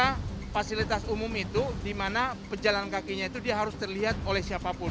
karena fasilitas umum itu di mana pejalan kakinya itu dia harus terlihat oleh siapapun